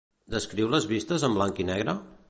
Descriu les vistes en blanc i negre?